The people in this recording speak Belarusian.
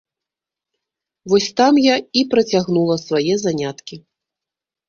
Вось там я і працягнула свае заняткі.